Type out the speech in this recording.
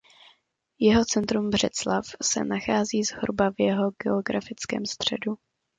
Jeho centrum Břeclav se nachází zhruba v jeho geografickém středu.